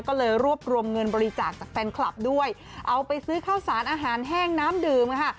ก็เลยรวบรวมเงินบริจาคจากแฟนคลับด้วยเอาไปซื้อข้าวสารอาหารแห้งน้ำดื่มค่ะ